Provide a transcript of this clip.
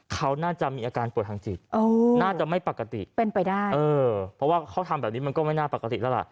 เขาน่าจะมีอาการปวดทางจิตน่าจะไม่ปกติเป็นไปได้เออเพราะว่าเขาทำแบบนี้มันก็ไม่น่าปกติแล้วล่ะ